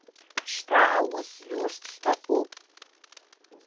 Шьҭа аус зурц сҭахуп!